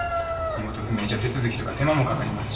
身元不明じゃ手続きとか手間もかかりますし。